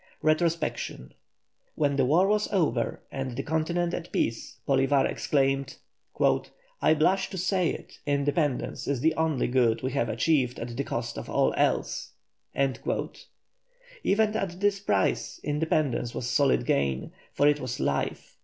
RETROSPECTION. When the war was over and the continent at peace, Bolívar exclaimed, "I blush to say it, independence is the only good we have achieved at the cost of all else." Even at this price independence was solid gain, for it was life.